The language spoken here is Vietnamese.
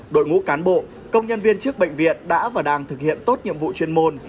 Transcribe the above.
đội ngũ cán bộ công nhân viên chức bệnh viện đã và đang thực hiện tốt nhiệm vụ chuyên môn